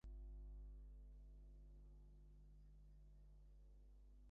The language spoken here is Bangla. তাহা হইলে লোকে এমন করিয়া খাইয়া-দাইয়া ঘুমাইয়া দিব্য তৈলচিক্কণ হইয়া কাটাইতে পারিত না।